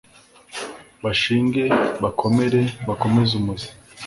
bashinge bakomere bakomeze umuzi